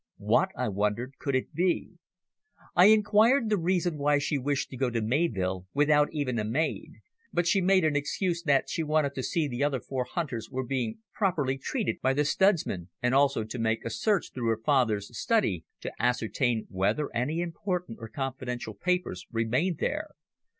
What, I wondered, could it be? I inquired the reason why she wished to go to Mayvill without even a maid, but she made an excuse that she wanted to see the other four hunters were being properly treated by the studs man, and also to make a search through her father's study to ascertain whether any important or confidential papers remained there.